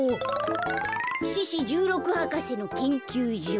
獅子じゅうろく博士のけんきゅうじょ。